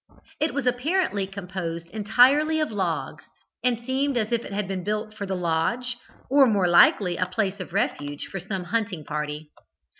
"It was apparently composed entirely of logs, and seemed as if it had been built for the lodge, or more likely a place of refuge, for some hunting party.